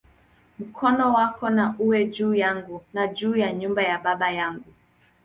Mkono wako na uwe juu yangu, na juu ya nyumba ya baba yangu"!